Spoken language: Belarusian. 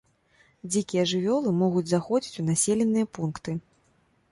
Дзікія жывёлы могуць заходзіць у населеныя пункты.